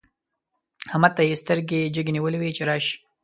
احمد ته يې سترګې جګې نيولې وې چې راشي.